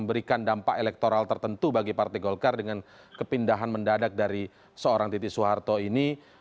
memberikan dampak elektoral tertentu bagi partai golkar dengan kepindahan mendadak dari seorang titi soeharto ini